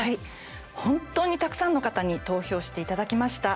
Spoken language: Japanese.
本当にたくさんの方に投票していただきました。